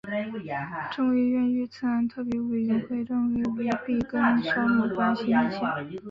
众议院遇刺案特别委员会认为鲁比跟山姆关系密切。